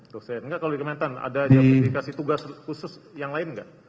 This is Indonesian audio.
dosen enggak kalau di kementan ada yang dikasih tugas khusus yang lain nggak